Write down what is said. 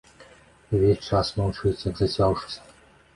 І ўвесь час маўчыць, як зацяўшыся.